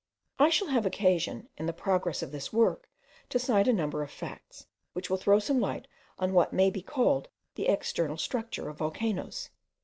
I shall have occasion, in the progress of this work, to cite a number of facts, which will throw some light on what may be called the external structure of volcanoes.